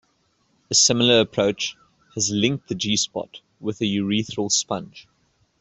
A similar approach has linked the G-spot with the urethral sponge.